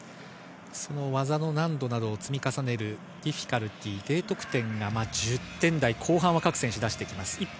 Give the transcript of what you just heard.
技の難度積み重ねるディフィカルティー、Ｄ得点が１０点台後半、各選手出してきます。